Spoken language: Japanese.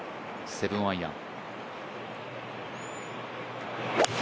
７アイアン。